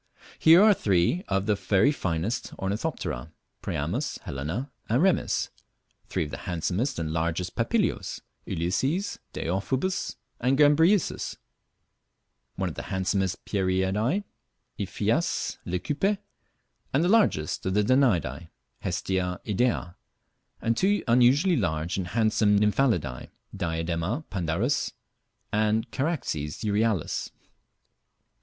Here are three of the very finest Ornithopterae priamus, helena, and remiss; three of the handsomest and largest Papilios ulysses, deiphobus, and gambrisius; one of the handsomest Pieridae, Iphias leucippe; the largest of the Danaidae, Hestia idea; and two unusually large and handsome Nymphalidae Diadema pandarus, and Charaxes euryalus.